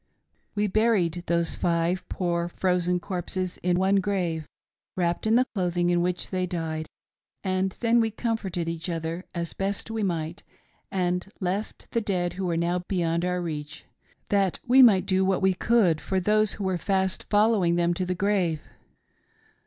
We buried those five poor frozen corpses in one grave, 230 THE LAST EXTREMITY :— DESPAIR OF THE EMIGRANTS. wrapped in the clothing in which they died, and then we com forted each other as best we might, and left the dead who were now beyond our reach, that we might do what we could for those who were fast following them to the grave.